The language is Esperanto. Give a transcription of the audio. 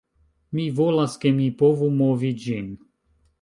Mi volas, ke mi povu movi ĝin